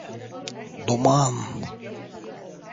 Duman…